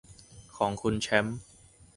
ของคุณแชมป์